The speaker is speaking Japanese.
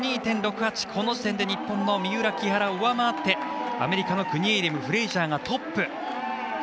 この時点で日本の三浦、木原を上回ってアメリカのクニエリム、フレイジャーがトップ。